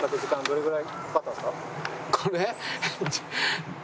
これ？